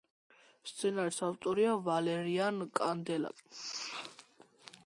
სცენარის ავტორია ვალერიან კანდელაკი.